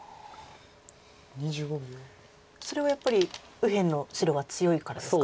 それはやっぱり右辺の白は強いからですか？